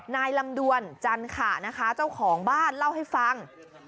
ลำดวนจันขะนะคะเจ้าของบ้านเล่าให้ฟัง